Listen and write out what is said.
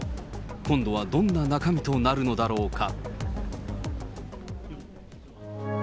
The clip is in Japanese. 今度はどんな中身となるのだろうか。